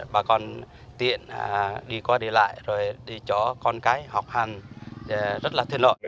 bà con tiện đi qua đi lại rồi đi cho con cái học hành rất là thiên lợi